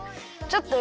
ちょっと。